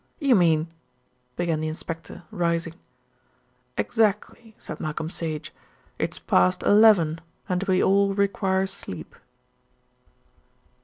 "You mean " began the inspector, rising. "Exactly," said Malcolm Sage. "It's past eleven, and we all require sleep."